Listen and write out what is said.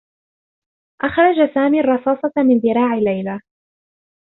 أخرج سامي الرّصاصة من ذراع ليلى.